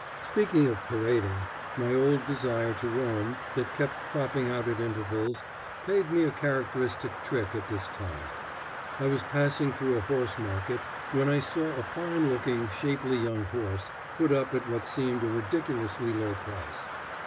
Speaking of parading, my old desire to roam, that kept cropping out at intervals, paid me a characteristic trick at this time. I was passing through a horse market when I saw a fine looking, shapely young horse put up at what seemed a ridiculously low price.